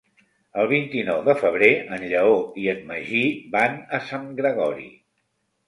El vint-i-nou de febrer en Lleó i en Magí van a Sant Gregori.